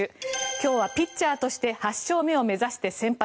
今日はピッチャーとして８勝目を目指して先発。